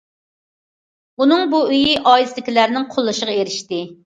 ئۇنىڭ بۇ ئويى ئائىلىسىدىكىلەرنىڭ قوللىشىغا ئېرىشتى.